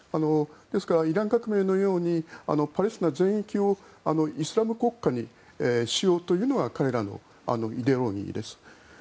ですからイラン革命のようにパレスチナ全域をイスラム国家にしようというのが彼らのイデオロギーです。